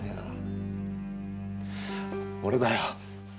俺だよ。